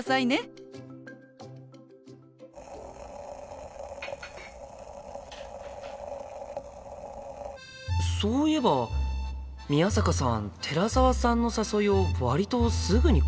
心の声そういえば宮坂さん寺澤さんの誘いを割とすぐに断ってたよな。